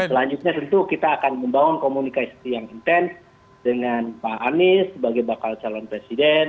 selanjutnya tentu kita akan membangun komunikasi yang intens dengan pak anies sebagai bakal calon presiden